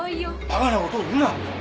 ばかなことを言うな！